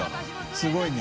すごいね。